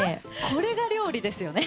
これが料理ですよね。